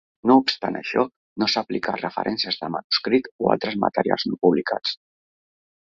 No obstant això, no s'aplica a referències de manuscrit o altres materials no publicats.